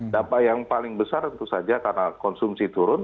dapat yang paling besar itu saja karena konsumsi turun